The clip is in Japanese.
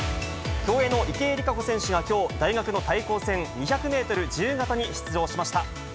競泳の池江璃花子選手がきょう、大学の対抗戦２００メートル自由形に出場しました。